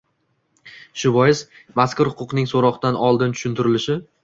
Shu bois, mazkur huquqning so‘roqdan oldin tushuntirilishi